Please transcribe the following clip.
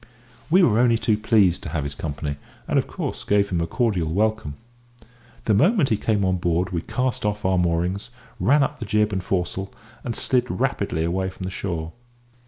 We were only too pleased to have his company, and of course gave him a cordial welcome. The moment he came on board we cast off our moorings, ran up the jib and foresail, and slid rapidly away from the shore.